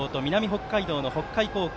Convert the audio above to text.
北海道の北海高校